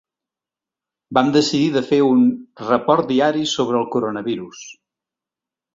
Vam decidir de fer un “Report diari sobre el coronavirus”.